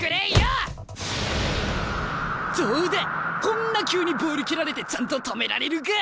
こんな急にボール蹴られてちゃんと止められるか！